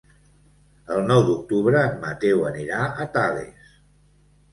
El nou d'octubre en Mateu anirà a Tales.